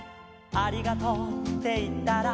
「ありがとうっていったら」